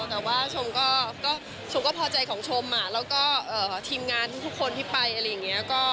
แต่ว่าชมก็ชมก็พอใจของชมแล้วก็ทีมงานทุกคนที่ไปอะไรอย่างนี้